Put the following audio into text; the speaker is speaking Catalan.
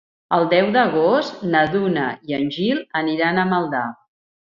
El deu d'agost na Duna i en Gil aniran a Maldà.